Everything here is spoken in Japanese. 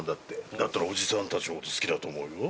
だったらおじさんたちのこと好きだと思うよ。